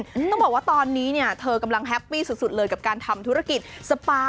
ต้องบอกว่าตอนนี้เนี่ยเธอกำลังแฮปปี้สุดเลยกับการทำธุรกิจสปา